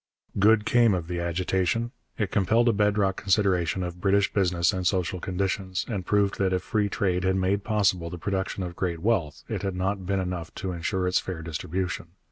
Good came of the agitation. It compelled a bed rock consideration of British business and social conditions, and proved that if free trade had made possible the production of great wealth, it had not been enough to ensure its fair distribution.